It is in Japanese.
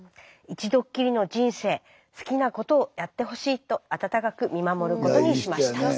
一度っきりの人生好きなことをやってほしいと温かく見守ることにしました」。